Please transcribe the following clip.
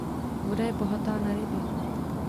Voda je bohatá na ryby.